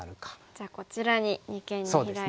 じゃあこちらに二間にヒラいて。